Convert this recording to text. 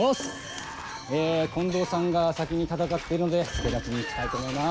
え近藤さんが先に戦ってるので助太刀に行きたいと思います。